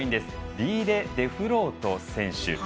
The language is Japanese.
ディーデ・デフロート選手。